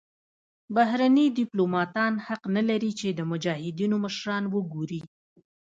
بهرني دیپلوماتان حق نلري چې د مجاهدینو مشران وګوري.